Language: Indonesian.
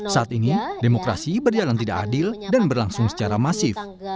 saat ini demokrasi berjalan tidak adil dan berlangsung secara masif